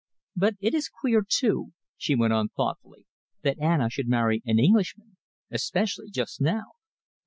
But it is queer, too," she went on thoughtfully, "that Anna should marry an Englishman, especially just now."